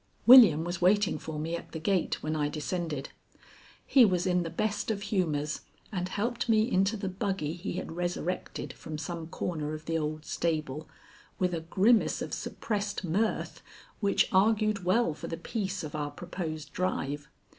William was waiting for me at the gate when I descended. He was in the best of humors, and helped me into the buggy he had resurrected from some corner of the old stable, with a grimace of suppressed mirth which argued well for the peace of our proposed drive.